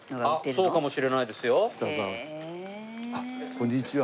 こんにちは。